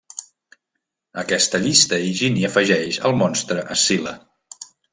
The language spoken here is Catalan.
A aquesta llista Higini afegeix el monstre Escil·la.